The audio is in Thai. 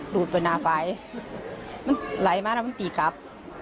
ดูดไปหน้าไฟมันไหลมาแล้วมันตีกลับ